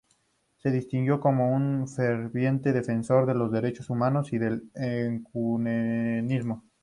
Se distinguió como un ferviente defensor de los derechos humanos y del ecumenismo.